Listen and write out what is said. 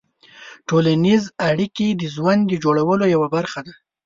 ټولنیز اړیکې د ژوند د جوړولو یوه برخه ده.